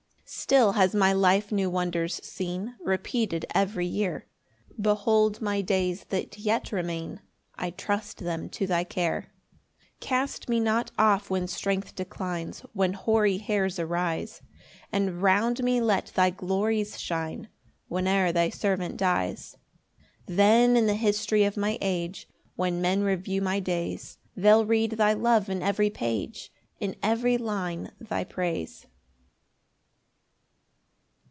3 Still has my life new wonders seen Repeated every year; Behold my days that yet remain, I trust them to thy care. 4 Cast me not off when strength declines, When hoary hairs arise; And round me let thy glories shine Whene'er thy servant dies. 5 Then in the history of my age, When men review my days, They'll read thy love in every page, In every line thy praise.